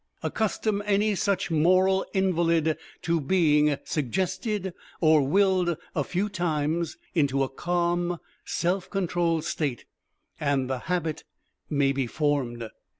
Accustom any such moral invalid to being Suggested or willed a few times into a calm, self controlled state and the habit may be formed.